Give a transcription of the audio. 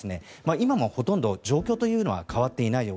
今もほとんど状況というのは変わっていないよ